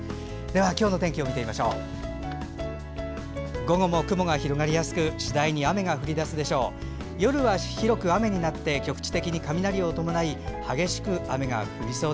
今日の天気見てみましょう。